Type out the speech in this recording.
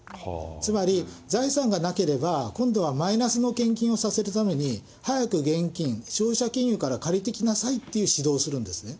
つまり財産がなければ、今度はマイナスの献金をさせるために早く現金、消費者金融から借りてきなさいという指導をするんですね。